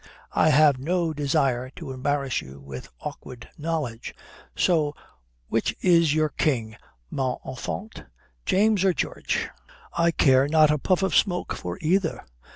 I have no desire to embarrass you with awkward knowledge. So which is your king, mon enfant, James or George?" "I care not a puff of smoke for either."